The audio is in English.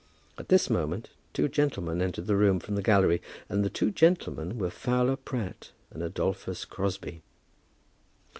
At this moment two gentlemen entered the room from the gallery, and the two gentlemen were Fowler Pratt and Adolphus Crosbie.